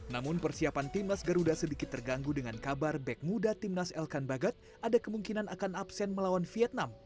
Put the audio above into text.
namun persiapan timnas garuda sedikit terganggu dengan kabar back muda timnas elkan bagat ada kemungkinan akan absen melawan vietnam